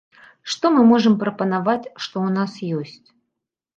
Што мы можам прапанаваць, што ў нас ёсць.